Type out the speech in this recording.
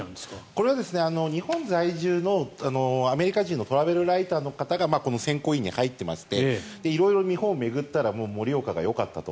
これは日本在住のアメリカ人のトラベルライターの方がこの選考委員に入っていまして色々、日本を巡ったら盛岡がよかったと。